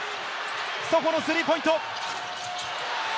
ソホのスリーポイント。